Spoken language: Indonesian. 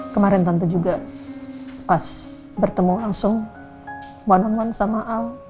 kemarin tante juga pas bertemu langsung one on one sama al